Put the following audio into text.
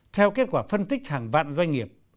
theo kết quả phân tích hàng vạn doanh nghiệp